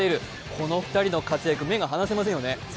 この２人の活躍、目が離せませんよね。